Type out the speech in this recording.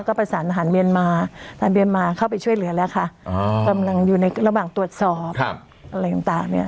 ก็ประสานทหารเมียนมาทางเมียนมาเข้าไปช่วยเหลือแล้วค่ะกำลังอยู่ในระหว่างตรวจสอบอะไรต่างเนี่ย